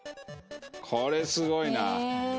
これすごいなえ